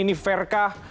ini fair kah